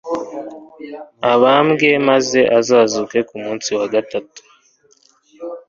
abambwe maze azazuke ku munsi wa gatatu.»